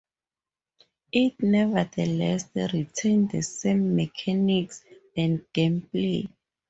It nevertheless retained the same mechanics and gameplay.